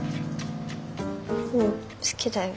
うん好きだよ。